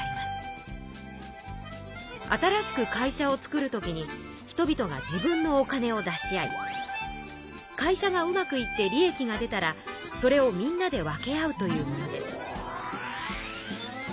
新しく会社を作る時に人々が自分のお金を出し合い会社がうまくいって利益が出たらそれをみんなで分け合うというものです。